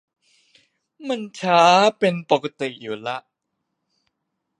มันช้าเป็นปกติอยู่แล้ว